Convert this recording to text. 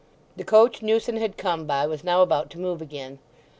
The coach Newson had come by was now about to move again.